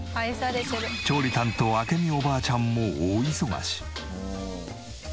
調理担当明美おばあちゃんも大忙し！